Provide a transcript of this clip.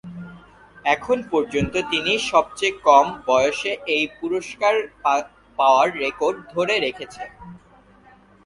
এখন পর্যন্ত তিনি সবচেয়ে কম বয়সে এই পুরস্কার পাওয়ার রেকর্ড ধরে রেখেছেন।